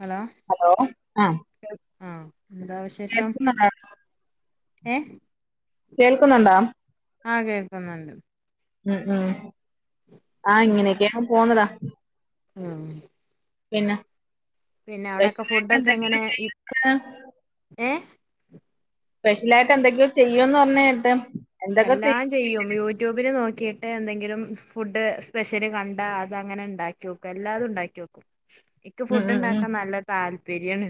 Hello hello ആഹ് ആഹ് എന്താ വിശേഷം കേൾക്കുന്നുണ്ടോ ഏ കേൾക്കുന്നുണ്ടോ ആഹ് കേൾക്കുന്നുണ്ട് ഉം ഉം ആ ഇങ്ങനെയൊക്കെ അങ്ങ് പോണടാ ആഹ് പിന്നെ അവിടൊക്കെ സ്പെഷ്യലായിട്ട് ഫുഡൊക്കെ എങ്ങനെ എന്തെങ്കിലും [inaudible] ഏഹ് സ്പെഷ്യലായിട്ട് എന്തെങ്കിലും ചെയ്യോന്ന് പറഞ്ഞ കേട്ട് എല്ലാരും ചെയ്യും യൂട്യൂബില് നോക്കിയിട്ട് എന്തെങ്കിലും ഫുഡ് സ്പെഷ്യല് കണ്ടാ അത് അങ്ങനെ ഉണ്ടാക്കി നോക്കും എല്ലാതും ഉണ്ടാക്കി നോക്കും [inaudible] ഇൻ ക്ക് ഫുഡ് ഉം ഉം ഇണ്ടാക്കാൻ നല്ല താൽപര്യാണ്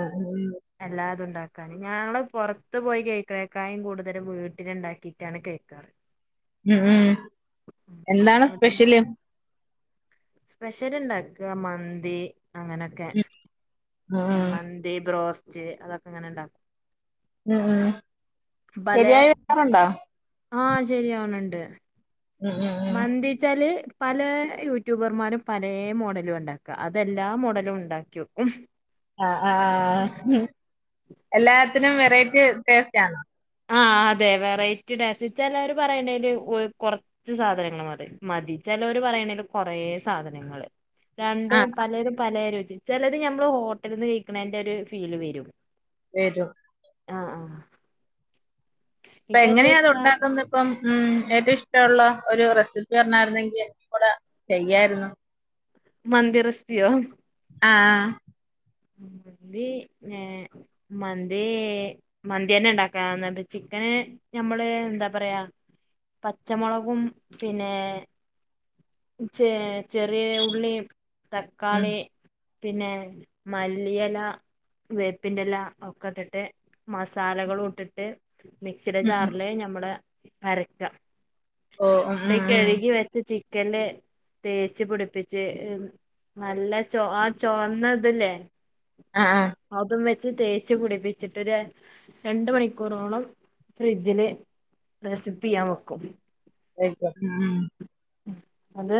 ആഹ് [inaudible] എല്ലാതും ഉണ്ടാക്കാന് ഞങ്ങള് പുറത്ത് പോയി കഴിക്കുന്നത്തിനേക്കാൾ കൂടുതലും വീ വീടിലുണ്ടാക്കിയിട്ടാണ് കഴിക്കാറ് ഉം ഉം എന്താണ് വീട്ടില് സ്പെഷ്യല് സ്പെഷ്യൽ ഇണ്ടാക്ക മന്തി അങ്ങനെക്കെ ഉം ഒക്കെ ഉം മന്തി, ബ്രോസ്റ്റ് അതൊക്കെ ഇങ്ങനെ ഉണ്ടാക്കും ഉം ഉ ശരിയായി വെക്കറുണ്ടോ ആഹ ശരിയാവുന്നുണ്ട് ഉം ഉം ഉം മന്തിച്ചാല് പല യൂട്യൂബർമാരും പലെ മോഡലു ഉണ്ടാക്കുക അതെല്ലാ മോഡലു ഉണ്ടാക്ക വക്കും ആ ആ എല്ലാത്തിനും വെറൈറ്റി ടേസ്റ്റ് ആണ് ആ അതെ വെറൈറ്റി സ്റ്റേറ്റ് ചെലര് പറയണല് കൊറ കുറച്ചു സാധനങ്ങൾ മതി ചിലര് പറയണെല് കുറേ സാധനങ്ങള് രണ്ടും ആഹ് പലരും പലെ രുചി ചിലത് ഞമ്മള് ഹോട്ടലിൽ നിന്ന് കഴിക്കണതിന്റെ ഒരു ഫീല് വരും ഏത ആഹ് ആഹ് അപ്പൊ എനിക്കേറ്റവും എങ്ങനെയാ അത് ഇഷ്ടം ഉണ്ടാക്കുന്നത് ഇപ്പം ഉ ഏറ്റവും ഇഷ്ടമുള്ള ഒരു റെസിപ്പി പറഞ്ഞായിരുന്നെങ്കിൽഎനിക്കും കൂടെ ചെയ്യായിരുന്നു മന്തി രസിപിയോ ആഹ മന്തി ഏ മന്തി മന്തിന്നെ ഉണ്ടാക്കാ എന്ന ചിക്കന് ഞമ്മള് എന്താ പറയാ പച്ചമുളകും പിന്നെ ചെ ചെറിയ ഉള്ളി ഉം തക്കാളി പിന്നെ മല്ലില വേപ്പിൻന്റെ ഇല ഒക്കെ ഇട്ടിട്ട് മസാലകളും ഇട്ടിട്ട് മിക്സിയുടെ ഉം ഉം. ചാറില് ഞമ്മള് അരക്ക ഓ ഉം ഇങ്ങട്ട് ഉം ഉം കഴുകി വ ചിക്കൻന്റെ തേച്ച് പിടിപ്പിച്ച് നല്ല ചോ ആ ചോന്താതില്ലേ ആഹ ആ അതും വെച്ച് തേച്ച് പിടിപ്പിച്ചിട്ട് രണ്ട് മണിക്കൂറോളം ഫ്രിഡ്ജില് റെസിപ്പി ചെയ്യാൻ വെക്കും എത ഉ [unintelligible] അത്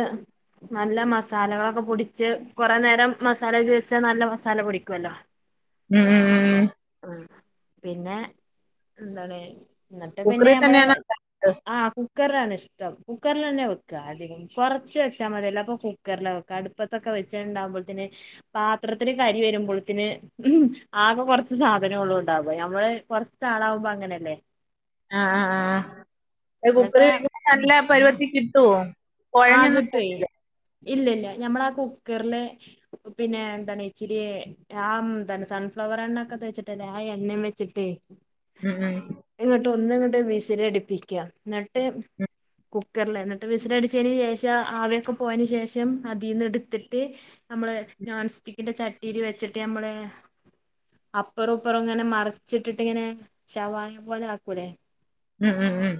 നല്ല മസാലകളൊക്കെ, പൊടിച്ചു കുറേ നേരം മസാല പുരട്ടി വെച്ച മസാല പിടിക്കുവല്ലോ ഉം ഉം ഉം ആ പിന്നെ എന്താണ് എന്നിട്ട് പിന്നെ കുക്കറി ഞമ്മള് തന്നെയാണോ ഉണ്ടാക്കുന്നത് ആ കുക്കറിലാണ് ഇഷ്ടം കുക്കറിൽ തന്നെ വെക്ക ക്ക അധികം കുറച്ച് വെച്ചാൽ മതിയല്ലോ അപ്പൊ കുക്കറില വെക്ക അടുപ്പത്തൊക്കെ വെച്ണ്ടാവുമ്പോതിന് പാത്രത്തിന് കരി വരുമ്പോഴത്തിന് ഉ ആകെ കൊറച്ച് സാധനള്ളും ഉണ്ടാവ നമ്മള് കൊറച്ച് ആളാവുമ്പോ അങ്ങനെയല്ലേ ആ ആ ആ എന്നിട്ട് കുക്കറിൽ നല്ല പരിവത്തി കിട്ടുവോ ആ കുഴഞ്ഞൊന്നും കിട്ടുവേ പോകില്ലേ ഇല്ലല്ല ഞമ്മളാ കുക്കറില് പിന്നെ എന്താണ് ഇച്ചിരി ആഹ തന്നെ സൺഫ്ലവർ എണ്ണൊക്കെ തേച്ചിട്ടല്ലേ ആ എണ്ണയും വെച്ചിട്ട് ഉം ഉംം ഇങ്ങോട്ട് ഒന്ന് രണ്ട് വിസിൽ അടിപ്പിക്ക എന്നിട്ട് കുക്കറില് എന്നിട്ട് വിസിലടിപ് ച്ചന് ശേഷം ആവിക്കെ പോയന് ശേഷം അതിൽന്ന് എടുത്തിട്ട് നമ്മള് നോൺ സ്റ്റിക്കിന്റെ ചട്ടീൽ വെച്ചിട്ട് നമ്മള് അപ്പറംപ്പുറം ഇങ്ങനെ മറിച്ചിട്ടിട്ട്ങ്ങനെ ശവർമ്മ പോലെ ആക്കൂലേ ഉം ഉം ഉം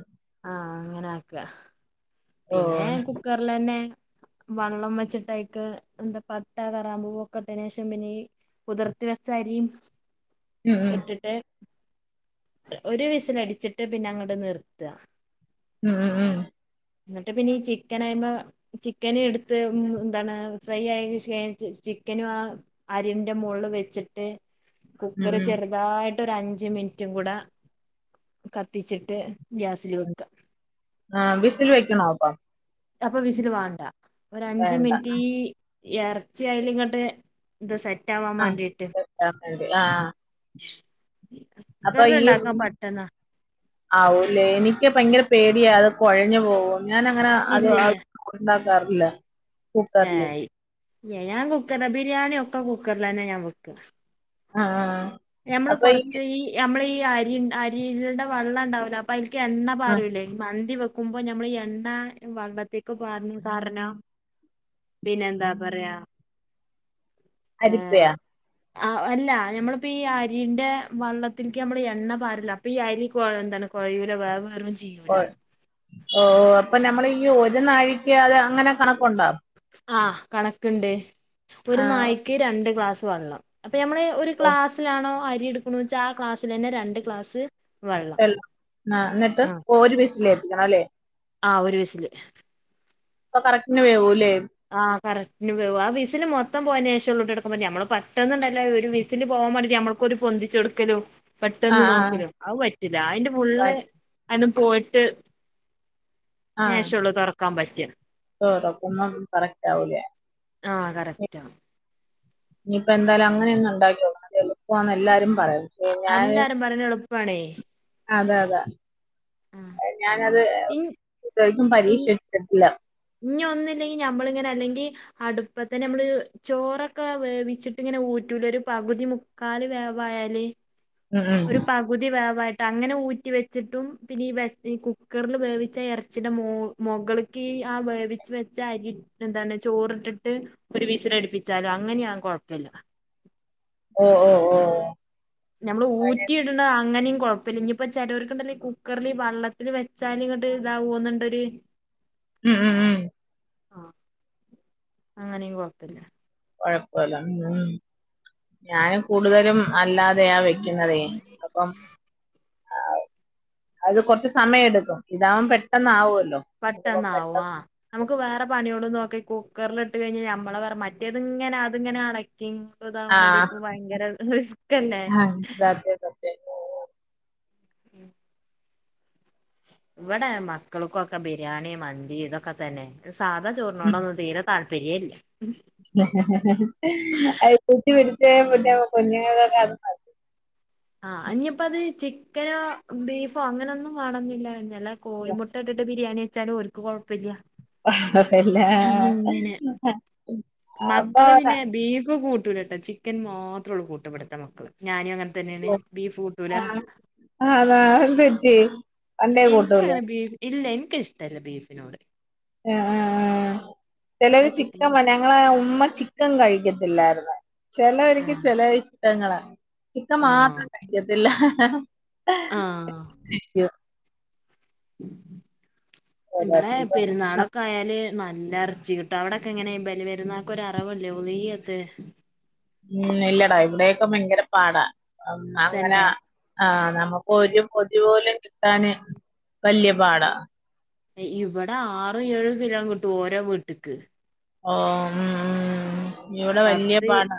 ആഹ് അങ്ങനെ ആക്ക ഓ പിന്നെ കുക്കർലന്നെ വെള്ളം വെച്ചിട്ടയ്ക്ക് എന്താ പട്ട, കറാമ്പൂവ് ഒക്കെ ഇട്ടയ്ന് ശേഷം പിന്നെ ഈ കുതിർത്തി വെച്ച അരിം ഉം ഉം ഇട്ട്ട്ട് ഒരു വിസില് അടിച്ചിട്ട് പിന്നെ അങ്ങട്ട് നിർത്ത ഉം ഉം ഉം ഇന്നട്ട് പിന്നെ ഈ ചിക്കനയ്മേ ചിക്കന് എടുത്ത് എന്താണ് ഫ്രൈ ആയെന് ശെ ചിക്കനും ആഹ് അരിന്റെ മോൾള്ള് വെച്ചിട്ട് ഉം ഉം കുക്കറ് ഉം ചെറി അതായിട്ട് ഒരു അഞ്ച മിന്റും കൂടെ കത്തിച്ചിട്ട് ഗ്യാസില് വെക്ക ആഹ് വിസില് വെക്കണോ അപ്പോ അപ്പൊ വിസില് വാണ്ട ഒര് അഞ്ച വേണ്ട മിന്റ് ഈ എർച്ചി അയ്ല് ഇങ്ങട്ട് ത് സെറ്റാവാൻ ആ മാണ്ടിട്ട് വെക്കാൻ വേണ്ടി അപ്പ ഈ ആവോല്ലേ എനിക്ക് ഭയങ്കര പേടിയാ അത് കൊഴഞ് പോകോ ഞാൻ അങ്ങനെ അത് ഇല്ലില്ല ണ്ടാക്കാറില്ല കുക്കർല് ഏയ് ഞാൻ കുക്കർലാ ബിരിയാണി ഒക്കെ കുക്കർലന്നെ ഞാൻ വെക്ക ആഹ് നമ്മള് കോർച്ച് ഈ നമ്മള് ഈ അരി അരിയിൽടെ വെള്ളം ഇണ്ടാവൂല അപ്പൊ അതിക്ക് എണ്ണ ആ പാരുലെ മന്തി വെക്കുമ്പോ നമ്മള് എണ്ണ വെള്ളത്തേക്ക് പാരന്നു [unintelligible] പിന്നെ എന്താ പറയാ അരിപ്പയാ ഏഹ് ആഹ് അല്ല നമ്മളിപ്പ ഈ അരിന്റെ വെള്ളത്ത്ക്ക് നമ്മള് എണ്ണ പാര്ല്ല അപ്പൊ ഈ അരി കോയന്താണ് കോയൂല [unintelligible] ഓ ഓ അപ്പ നമ്മള് ഈ ഒരു നാഴിക്ക് അത് അങ്ങനെ കണക്കുണ്ടാ ആഹ് കണക്ക്ണ്ട് ഒരു ആ നായ്ക്ക് രണ്ട് ക്ലാസ് വെള്ളം അപ്പൊ ഞമ്മള് ഒരു ഓ ക്ലാസിലാണോ അരി ഇട്ക്ണ വെച്ചാ ആഹ് ക്ലാസ്സ് തന്നെ രണ്ട് ക്ലാസ് ല ഇന്നട്ട് ഒര് വിസില് അടിക്കണം അല്ലേ ആഹ് ഒരു വിസില് അപ്പം കറക്റ്റ്ന് വേവൂലെ ആഹ് കറക്റ്റ്ന് വേവും ആഹ് വിസില് മൊത്തം പോയെന് ശേഷം ഉള്ളോട്ട് എട്ക്ക പറ്റ നമ്മള് പെട്ടന്ന് ഇണ്ടല്ലോ ഒരു വിസില് പോവാൻ വാണ്ടി ഞമ്മൾ ഒരു പൊന്തിച്ച്‌ കൊടുക്കലും ആ പെട്ടെന്ന് ആ നോക്കലും അഹ് പറ്റില്ല അയ്ന്റെ ഫുള്ള് ബാറ്റ് അതും പോയിട്ട് ആ ശേഷോള്ളൂ തോറക്കാൻ പറ്റ [unintelligible] കറക്റ്റ് ആവൂല ആഹ് കറക്റ്റാവും ഇഞ്പ്പൊ എന്തായാലും അങ്ങനെന്നും ഇണ്ടാ‌ക്കി നോക്കണം അത് എളുപ്പാന്ന് എല്ലാരും പറയും പക്ഷേ ഞാൻ അല്ലാരും പറഞ് എളുപ്പണേ അതെ അതെ ഞാനത് ഇൻ ഇപ്രാവശ്യം പരീക്ഷ കേട്ടില്ല ഇഞ് ഒന്ന്ല്ലെങ്കി ഞമ്മള്ങ്ങനെ അല്ലെങ്കി അടുപ്പ തന്നെ നമ്മള് ചോറൊക്കെ വേവിച്ചിട്ട് ഇങ്ങനെ ഊറ്റൂലെ ഒരു പകുതി മു കാല് വേവായാല് ഉം ഉം ഒരു പ പകുതി വേവായിട്ട് അങ്ങനെ ഊറ്റി വെച്ചിട്ടും പിന്നെ ഈ കുക്കറിൽ വേവിച്ച എറച്ചിയുടെ മോവ് മുഗൾക്കി ആഹ് വേവിച്ച് വെച്ച അരി എന്താണ് ചോറിട്ടിട്ട് ഒരു വിസിലടിപ്പിച്ചാലും അങ്ങനെയാങ് കൊഴപ്പല്ല ഓഹ് ഓഹ് ഓഹ് ഞമ്മള് ഊറ്റി ഇട്ണ അങ്ങനെയും കൊഴപ്പില്ല ഇഞ്ഞിപ്പ ചെലോർക്കുണ്ടല്ലോ ഈ കുക്കറില് വെള്ള തില് വെച്ചാല് ഇങ്ങട്ട് ഇതാവോന്നുണ്ടൊരു ഉം ഉം ഉം ആഹ് അങ്ങനേം കൊഴപ്പില്ല കൊഴപ്പയില്ല ഉം ഞാന് കൂടുതലും അല്ലാതെയാ വെ ക്കണതേ അപ്പം അത് കൊറച്ച് സമയെടുക്കും ഇതാവും പെട്ടെന്ന് ആവുവല്ലോ പെട്ടെന്നാവും ആഹ് നമുക്ക് വേറെ പണിയോടും നോക്കി കുക്കറിലിട്ട് കഴിഞ്ഞാൽ ഞമ്മളെ വേറെ മറ്റേതിങ്ങനെ അതിങ്ങനെ അണ [inaudible] ആഹ് കൊണ്ടിരിക്കുമ്പ ഭയങ്കര റിസ്കല്ലെ [unintelligible] ഇവിടെ മക്കൾക്കൊക്കെ ബിരിയാണി മന്തി ഇതൊക്കെ തന്നെ സാധാ ഉം ചോറിനോടൊന്നും തീരെ താല്പര്യേ ഇല്ല ഉം അത് കൂട്ടി പിടിച്ചെ [unintelligible] കുഞ്ഞുങ്ങക്കൊക്കെ ആഹ് ഞ്ഞിപ്പോ അത് ചിക്കനോ ബീഫോ അങ്ങനൊന്നും വേണന്നില്ല എന്നാൽ മതി കോഴിമുട്ട ഇട്ടിട്ട് ബിരിയാണി വെച്ചാലും ഓൽക്ക് കൊഴപ്പയില്ല അതേല്ലേ അങ്ങിനെ അപ്പൊ മക്കള് പിന്നെ ബീഫ് കൂട്ടൂലട്ടോ ചി ചിക്കൻ മാത്രേള്ളൂ കൂട്ട ഇവട്ത്തെ മക്കള് ഞാനും അങ്ങനെ തന്നെയാണ് ബീഫ് കൂട്ടൂല അതാ അഅതെന്തു പറ്റി പണ്ടേ കൂട്ടൂലേ ഇൻക്കങ്ങനെ ബീഫ് ഇല്ല ഇൻക്കിഷ്ടല്ല ബീഫിനോട് ആഹ് ആഹ് ആഹ് ചെലരു ഇവിടെ ചിക്കൻ ചിക്കന് [unintelligible] ങ്ങളെ ഉമ്മ ചിക്കൻ കഴിക്കത്തില്ലാരുന്നു ചെലവര്ക്ക് ആഹ് ചെലെ ഇഷ്ടങ്ങളാ ചിക്കൻ ആഹ് മാത്രം കഴിക്കത്തില്ല [unintelligible] കഴിക്കും ഇബടെ പെരുന്നാളൊ ഓരോരുത്തർക്കും ക്കായാല് നല്ല എറച്ചി കിട്ടും അവിടൊക്കെ ഇങ്ങനെ ബലി പെരുന്നാ ക്കൊരറവില്ലേ ഒളുഹിയത്ത് ഉം ഇല്ലെടാ ഇവിടൊക്കെ ഭയങ്കര പാടാ അങ്ങനെ തന്നെ ആഹ് നമുക്ക് ഒരു പൊതിപോലും കിട്ടാന് വല്ല്യ പാടാ ഇവടെ ആറ് ഏഴ് കിലോം കിട്ടും ഓരോ വീട്ടിക്ക് ഓഹ് ഉം ഉം ഇവിടെ വല്യ പത്ത് പാടാ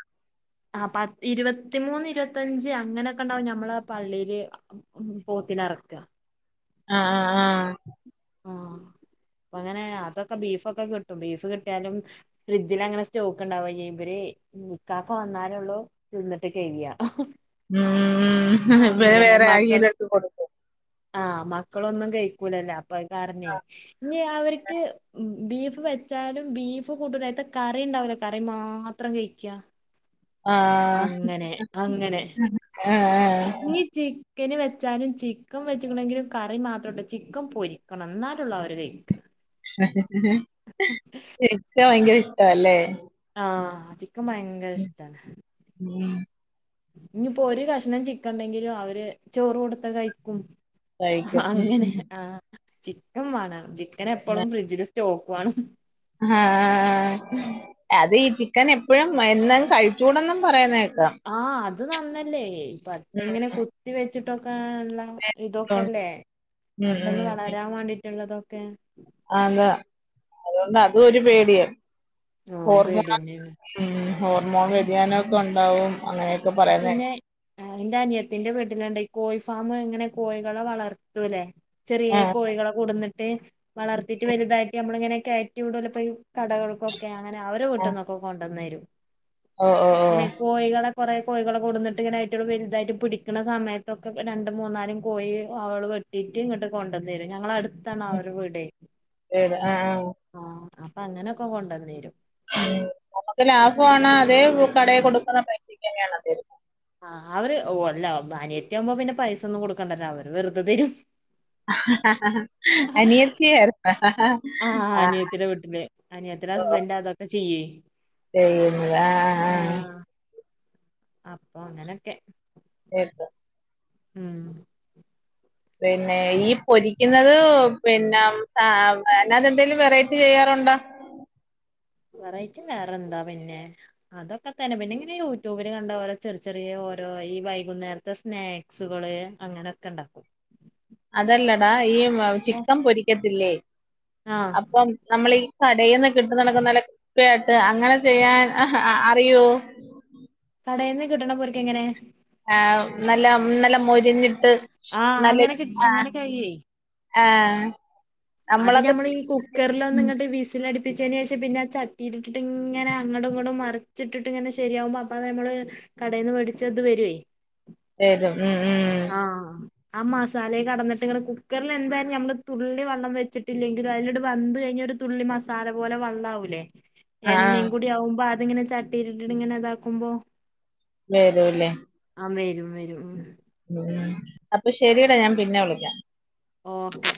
ആഹ് പത്ത് ഇരുപത്തിമൂന്ന് ഇരുപത്തഞ്ച് അങ്ങനെയൊക്കെണ്ടാവും ഞമ്മളെ പള്ളില് ഉം പോത്തിനെ അറക്കാ ആഹ് ആഹ് ആഹ് ആഹ് അപ്പങ്ങനെ അതൊക്കെ ബീഫോക്കെ കിട്ടും ബീഫ് കിട്ടിയാലും ഫ്രിഡ്ജിലങ്ങനെ സ്റ്റോക്ക്ണ്ടാവ ചെയ്യാ ഇവര് ഇക്കാക്ക വന്നാലേ ഒള്ളൂ തിന്നിട്ട് കഴിയാ ഉം ഇവടെ വേറെ ആരെ മക്കൾ കൈയ്യിലെടുത്ത് കൊടുക്കും ആഹ് മക്കളൊന്നും കഴിക്കൂലല്ലോ അപ്പൊ അത് കാരണേ ഞ്ഞി അവർക്ക് ബീഫ് വെച്ചാലും ബീഫ് കൂട്ടൂല അതിത്തെ കറിണ്ടാവല്ലോ കറി മാത്രം കഴിക്ക അങ്ങനെ ആഹ് ആഹ് ആഹ് ഞ്ഞി ചിക്കന് വെച്ചാലും ചിക്കൻ വെച്ചിക്കണെങ്കിലും കറി മാത്രാട്ടോ ചിക്കൻ പൊരിക്കണം എന്നാലുള്ളവര് കഴിക്ക ചിക്കൻ ഭയങ്കര ഇഷ്ടാല്ലേ ആഹ് ചിക്കൻ ഭയങ്കര ഇഷ്ടാണ് ഉം ഇനിയിപ്പോ ഒരു കഷ്ണം ചിക്കണ്ടെങ്കിലും അവര് ചോറ് കൊടുത്ത കഴിക്കും ആഹ് കഴിക്കും അങ്ങനെ ആഹ് ചിക്കൻ വാണം ചിക്കൻ എപ്പഴും ഫ്രിഡ്ജില് സ്റ്റോക്ക് വേണം ആഹ് അത് ഈ ചിക്കൻ എപ്പഴും എന്ന കഴിച്ചൂടെന്നും പറയണ കേക്കാ ആഹ് അത് നന്നല്ലേ ഇപ്പ ഉം എങ്ങനെ കൊത്തി വെച്ചിട്ടൊക്കെല്ല ഉണ്ട്. ഇതൊക്കെല്ലേ ഉം ഉം പെട്ടെന്ന് വളരാൻ വാണ്ടിട്ടുള്ളതൊക്കെ ആന്ന്‌ അതോണ്ട് അതും ഒരു പേടിയ ആഹ് ഹോർമോൺ പേടിയന്നെയാണ് ഉം ഹോർമോൺ വ്യതിയാനക്കെ ഉണ്ടാവും അങ്ങനെ പിന്നെ ആഹ് ന്റെ അനിയത്തിന്റെ വീട്ടിലുണ്ട ഈ കോഴിഫാമു എങ്ങനെ കോഴികളെ വളർത്തൂല്ലേ ചെറിയ ആഹ് കോഴികളെ കൊടന്നിട്ട് വളർത്തിയിട്ട് വലുതായിട്ട് നമ്മള ഇങ്ങനെയൊക്കെ കയറ്റി ഇടല്ല കടകൾക്കൊക്കെ അങ്ങനെ അവരു ആഹ് വീട്ടന്നൊക്കെ കൊണ്ടന്നേരും ഓ ഓ ഓ കോഴികളെ കുറെേ കോഴികളെ കൊടുന്നിട്ട് ഇങ്ങനൊയിട്ട വലുതായിട്ട് പിടിക്കുന്ന സമയത്തൊക്കെ രണ്ട് മൂന്നരം കോഴി അവൾ വ ടിറ്റി ഇങ്ങോട്ട് കൊണ്ടുവന്നേരും ഞങ്ങളഅടുത്തണഅവരുടെ വീടെ പേടി ആഹ് ആഹ് ആഹ് അപ്പ അങ്ങനെയൊക്കെ കൊണ്ടുവന്നേരും. നമുക്ക് ലാഭമാണ് അതേ കടെ കൊടുക്കുന്ന പൈസക്ക് തന്നെയാണ് ദേ ആഹ് അവര് ഓ അല്ലോ അനിയത്തി ആവുമ്പോ പിന്നെ പൈസ ഒന്നും കൊടുക്കണ്ടല്ല അവര് വെറുതെ തരും അനിയത്തിയായിരുന്നേ ആഹ് അനിയത്തിയുടെ വീട്ടില് അനിയതിയുടെ ഹസ്ബന്റ് അതൊക്കെ ചെയ്യേ ആഹ് ആഹ് അപ്പൊ അങ്ങനെക്കെ ഏക്ക ഉം പിന്നെ ഈ പൊരിക്കുന്നത് പിന്നെ എന്നത എന്തെിലും വെറൈറ്റി ചെയ്യാറുണ്ടോ? വെററ്റിവേറെ എന്താ പിന്നെ അതൊക്കെ തന്നെ പിന്നെ ഇങ്ങനെ യൂട്യൂബിൽ കണ്ട ഓരോ ചെറ ചെറിയ ഓരോ ഈ വൈകുന്നേരത്തെ സ്ന സ്കള് അങ്ങനെയൊക്കെ ണ്ടാക്കും അതല്ലടാ ഈ ചിക്കൻ പൊരിക്കത്തില്ലേ ആഹ് അപ്പം നമ്മളീ കടയിൽന്ന് കിട്ട നടക്കുന്ന നല്ല കൃസ്പ്പയായിട്ട് അങ്ങനെ ചെയ്യാൻ അറിയോ? കടയിൽന്ന് കിട്ടണ പോക്ക് എങ്ങനെ? ആ നല്ല നല്ല മൊരിഞ്ഞിട്ട് ആഹ് അങ്ങനെ നല്ലരു ആ അങ്ങനെ കഴിയേ ആഹ് അത് ഞമ്മളി ഈ കുക്കറിൽ ഒന്ന്‌ ഇങ്ങട്ട് വിസി ച അടിപ്പിച്ചതിന് ശേഷം പിന്നെ ആ ചട്ടിയിട്ടിട്ടിട്ട ഇങ്ങനെ അങ്ങടും ഇങ്ങടും മറിച്ചിട്ടിട്ട് ഇങ്ങനെ ശരിയാകുമ്പോൾ അത് നമ്മള് കടയിന്ന്‌ നിന്ന് വേടിച്ചത് വരോ വരും ഉം ഉം ആഹ് ആ മസാല കടന്നിട്ട് ഇങ്ങനെ കുക്കറിൽ എന്തായാലും നമ്മള് തുള്ളി വെള്ളം വെച്ചിട്ടില്ലെങ്കിൽ അതിലോട് വന്ന കഴിഞ്ഞ ഒരു തുള്ളി മസാല പോലെ വള്ളാവൂലേ ആ എണ്ണം കൂടി ആകുമ്പോ അതിങ്ങനെ ചട്ടി ഇട്ടിട്ടു ഇങ്ങനെ ഇതാക്കുമ്പോ വെരുല്ലേ ആഹ് വെരും വെരും ഉം അപ്പൊ ശരിയെടാ ഞാൻ പിന്നെ വിളിക്കാ ഓക്കെ